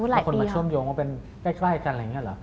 แล้วคนมาเชื่อมโยงว่าเป็นใกล้กันอะไรอย่างนี้เหรอ